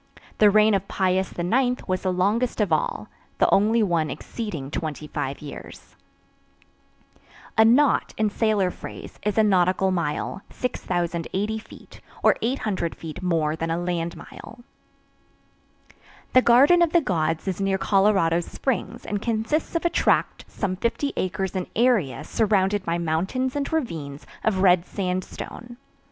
The reign of Piux IX was the longest of all, the only one exceeding 25 years. A knot, in sailor phrase, is a nautical mile, 6,080 feet, or 800 feet more than a land mile. The Garden of the Gods is near Colorado Springs and consists of a tract some 50 acres in area surrounded by mountains and ravines of red sandstone.